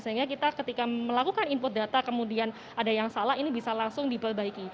sehingga kita ketika melakukan input data kemudian ada yang salah ini bisa langsung diperbaiki